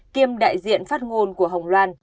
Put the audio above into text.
kiêm đại diện phát ngôn của hồng loan